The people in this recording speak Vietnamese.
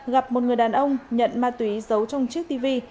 gặp một người đàn ông nhận ma túy giấu trong chiếc tv